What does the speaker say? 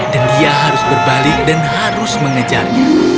dan dia harus berbalik dan harus mengejarnya